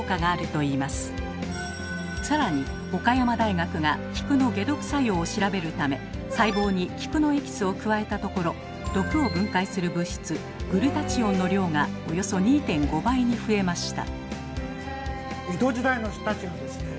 更に岡山大学が菊の解毒作用を調べるため細胞に菊のエキスを加えたところ毒を分解する物質グルタチオンの量がおよそ２．５倍に増えました。